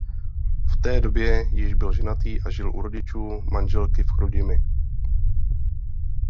V té době již byl ženatý a žil u rodičů manželky v Chrudimi.